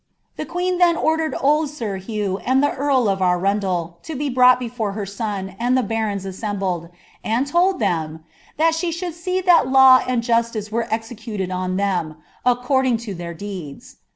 ^The queen then ordered old Sir Hugh and the earl of Arundel to be brought before her son and the barons assembled, and told them ^ that she should see that law and justice were executed on them, acc(»rding to their deeds.'